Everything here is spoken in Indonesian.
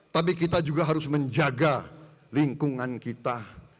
tapi kita juga harus menjaga lingkungan kita